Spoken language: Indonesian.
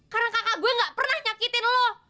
karena kakak gue nggak pernah nyakitin lo